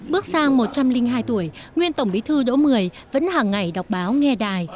bước sang một trăm linh hai tuổi nguyên tổng bí thư đỗ mười vẫn hàng ngày đọc báo nghe đài